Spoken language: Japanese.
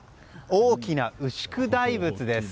大きな牛久大仏です。